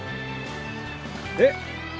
えっ。